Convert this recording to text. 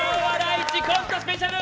市コントスペシャル。